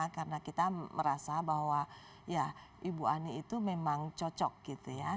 karena kita merasa bahwa ibu ani itu memang cocok gitu ya